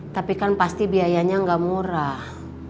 tapi kan pasti biayanya nggak murah